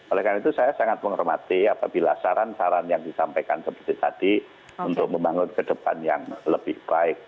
oleh karena itu saya sangat menghormati apabila saran saran yang disampaikan seperti tadi untuk membangun ke depan yang lebih baik